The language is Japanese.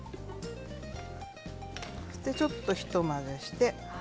ちょっと一混ぜして。